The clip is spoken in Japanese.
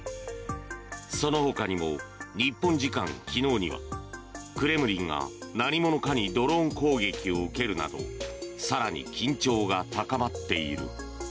そのほかにも日本時間昨日にはクレムリンが何者かにドローン攻撃を受けるなど更に緊張が高まっている。